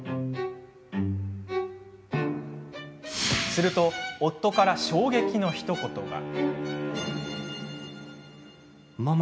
すると、夫から衝撃のひと言が。